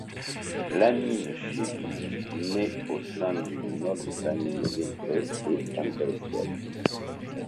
Lamine Chebbi naît au sein d'une noble famille lettrée et intellectuelle.